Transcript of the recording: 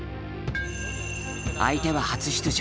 相手は初出場